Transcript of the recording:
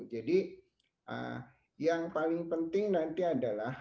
jadi yang paling penting nanti adalah